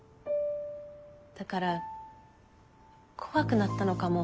だから怖くなったのかも。